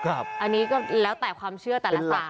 อันนี้ก็แล้วแต่ความเชื่อแต่ละสิ่ง